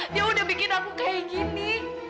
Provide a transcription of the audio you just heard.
dia udah bikin aku kayak gini